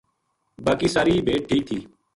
باقی ساری بھیڈ ٹھیک تھی